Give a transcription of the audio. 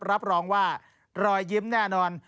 รับรองว่ารอยยิ้มแน่นอน